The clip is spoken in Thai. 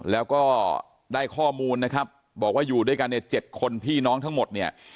แล้วก็ได้ข้อมูลนะครับบอกว่าอยู่ด้วยกันเนี่ย๗คนพี่น้องทั้งหมดเนี่ย